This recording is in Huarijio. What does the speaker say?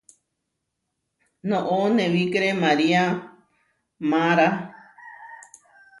Noʼó newíkere María maará.